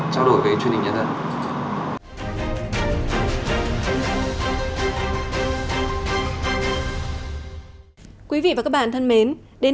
trao đổi với chương trình nhân dân